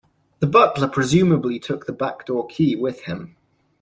The butler presumably took the back-door key with him.